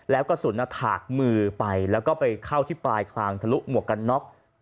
แล้วกระสุนถากมือไปแล้วก็ไปเข้าที่ปลายคลางทะลุหมวกกันน็อก